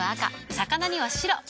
魚には白。